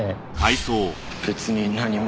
別に何も。